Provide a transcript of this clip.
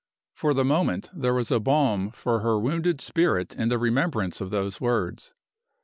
For the moment there was balm for her wounded spirit in the remembrance of those words.